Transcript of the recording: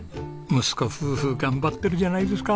息子夫婦頑張ってるじゃないですか。